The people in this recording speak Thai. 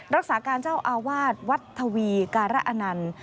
รักษาการเจ้าอาวาสวัดทวีการะอนันต์